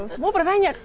semua pernah nanya